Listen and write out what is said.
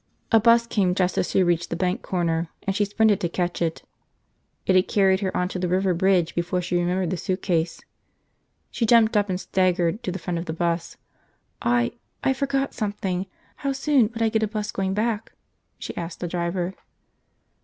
A bus came just as she reached the bank corner and she sprinted to catch it. It had carried her on to the river bridge before she remembered the suitcase. She jumped up and staggered to the front of the bus. "I – I forgot something. How soon would I get a bus going back?" she asked the driver.